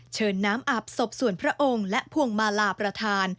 เชิญน้ำอาบศพส่วนพระองค์และพวงมาลาประธาน